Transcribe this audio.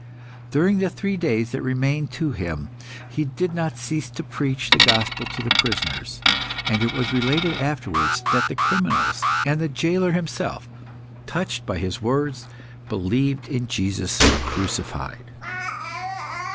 During the three days that remained to him, he did not cease to preach the gospel to the prisoners, and it was related afterwards that the criminals, and the gaoler himself, touched by his words, believed in Jesus crucified.